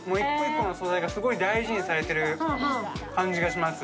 １個１個の素材がすごく大事にされている感じがします。